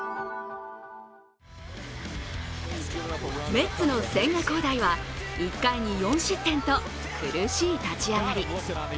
メッツの千賀滉大は１回に４失点と苦しい立ち上がり。